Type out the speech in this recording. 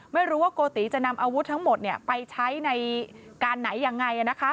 ไม่รู้ว่าโกติจะนำอาวุธทั้งหมดไปใช้ในการไหนยังไง